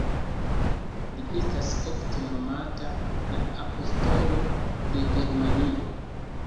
Li estas ofte nomata "la apostolo de Germanio".